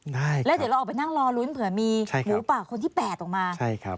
ได้แล้วเดี๋ยวเราออกไปนั่งรอลุ้นเผื่อมีหมูป่าคนที่แปดออกมาใช่ครับ